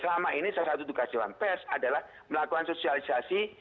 selama ini salah satu tugas dewan pers adalah melakukan sosialisasi